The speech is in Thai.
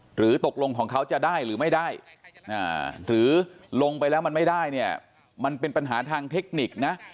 หรือตกลงของเขาจะได้หรือไม่ได้หรือลงไปแล้วมันไม่ได้เนี่ยมันเป็นปัญหาทางเทคนิคนะ